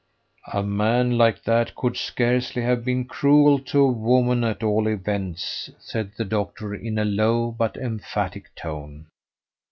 "A man like that could scarcely have been cruel to a woman, at all events," said the doctor in a low but emphatic tone.